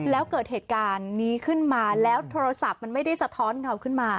แล้วเกิดเหตุการณ์นี้ขึ้นมาแล้วโทรศัพท์มันไม่ได้สะท้อนเงาขึ้นมา